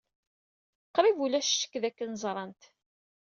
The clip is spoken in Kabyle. Qrib ulac ccekk dakken ẓrant.